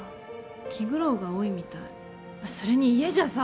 気苦労が多いみたいあっそれに家じゃさ